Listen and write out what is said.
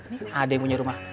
ini adik punya rumah